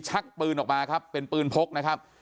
ชักปืนออกมาครับเป็นปืนพกนะครับ